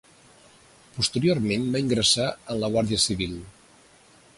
Posteriorment va ingressar en la Guàrdia Civil.